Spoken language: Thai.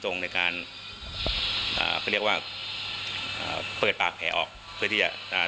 ในการอ่าเขาเรียกว่าอ่าเปิดปากแผลออกเพื่อที่จะอ่า